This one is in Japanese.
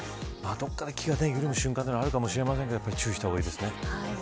どこかで気が緩む瞬間があるかもしれませんが注意した方がいいですね。